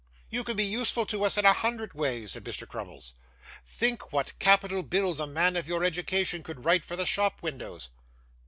'You can be useful to us in a hundred ways,' said Mr. Crummles. 'Think what capital bills a man of your education could write for the shop windows.